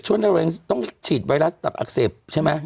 ช่วงนั้นเราต้องฉีดไวรัสตับอักเสบใช่ไหม